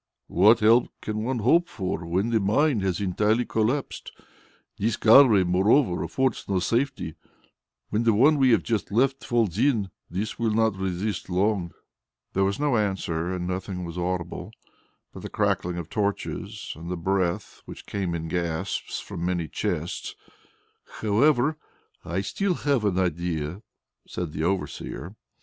"What help can one hope for, when the mine has entirely collapsed? This gallery, moreover, affords no safety. When the one we have just left falls in, this will not resist long." There was no answer, and nothing was audible but the crackling of torches and the breath which came in gasps from many chests. "However, I still have an idea!" said the overseer.